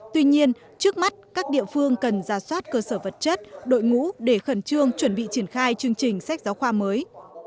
tuy nhiên trước mắt các địa phương cần ra soát cơ sở vật chất đội ngũ để khẩn trương chuẩn bị triển khai chương trình sách giáo khoa mới